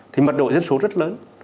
thì mật độ dân số rất lớn